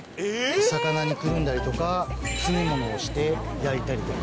魚にくるんだりとか、詰め物をして焼いたりとか。